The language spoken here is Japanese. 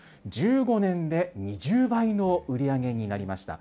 １５年で２０倍の売り上げになりました。